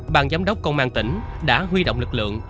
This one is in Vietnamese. bàn giám đốc công an tỉnh đã huy động lực lượng